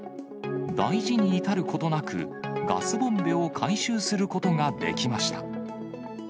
大事に至ることなく、ガスボンベを回収することができました。